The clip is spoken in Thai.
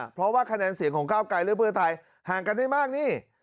เพราะว่าคะแนนเสียงของก้าวไกลและเพื่อไทยห่างกันไม่มากนี่